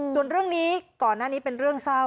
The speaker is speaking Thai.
ส่วนเรื่องนี้ก่อนหน้านี้เป็นเรื่องเศร้า